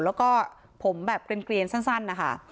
แล้วก็ผมแบบเกลียนสั้นนะคะ